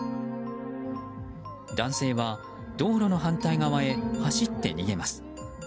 男性は道路の反対側へ走って逃げます。